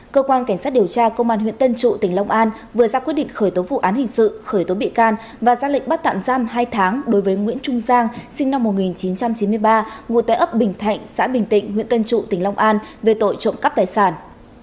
cơ quan cảnh sát điều tra công an huyện tân trụ tỉnh long an vừa ra quyết định khởi tố vụ án hình sự khởi tố bị can và ra lệnh bắt tạm giam hai tháng đối với nguyễn trung giang sinh năm một nghìn chín trăm chín mươi ba ngụ tại ấp bình thạnh xã bình tịnh huyện tân trụ tỉnh long an về tội trộm cắp tài sản